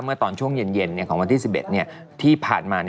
เมื่อตอนช่วงเย็นของวันที่๑๑ที่ผ่านมา